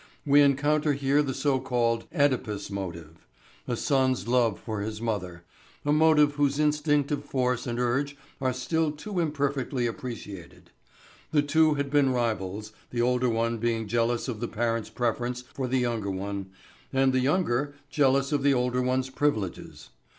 We encounter here the so called "Oedipus motive," a son's love for his mother a motive whose instinctive force and urge are still too imperfectly appreciated. The two had been rivals, the older one being jealous of the parents' preference for the younger one, and the younger jealous of the older one's privileges.